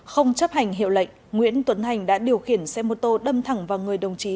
không chấp hành hiệu lệnh nguyễn tuấn hành đã điều khiển xe mô tô đâm thẳng vào người đồng chí